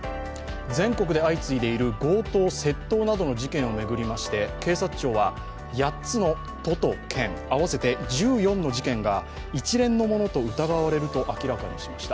全国で相次いでいる強盗・窃盗などの事件を巡りまして、警察庁は８つの都と県、合わせて１４の事件が一連のものと疑われると明らかにしました。